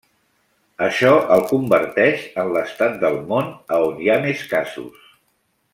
Això el converteix en l'estat del món a on hi ha més casos.